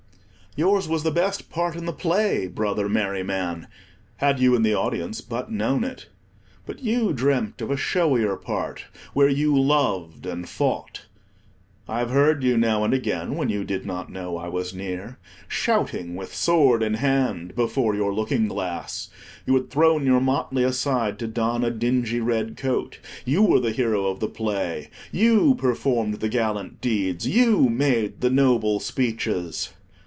Yours was the best part in the play, Brother Merryman, had you and the audience but known it. But you dreamt of a showier part, where you loved and fought. I have heard you now and again, when you did not know I was near, shouting with sword in hand before your looking glass. You had thrown your motley aside to don a dingy red coat; you were the hero of the play, you performed the gallant deeds, you made the noble speeches.